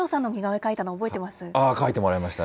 描いてもらいましたね。